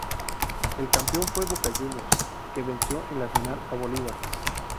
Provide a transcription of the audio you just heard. El campeón fue Boca Juniors, que venció en la final a Bolívar.